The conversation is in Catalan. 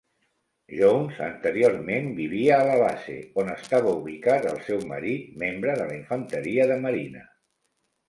Jones anteriorment vivia a la base on estava ubicat el seu marit, membre de la infanteria de marina.